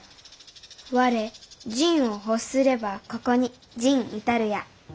我仁を欲すれば斯に仁至るや。